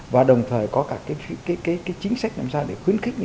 và đồng thời có cả cái chính sách làm sao để khuyến khích những